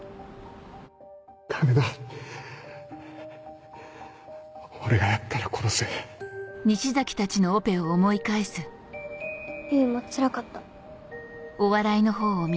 ダメだ俺がやったら殺す唯もつらかった。